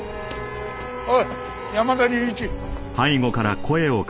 おい山田隆一。